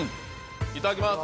いただきます！